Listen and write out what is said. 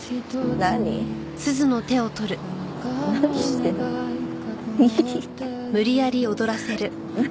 何してんの？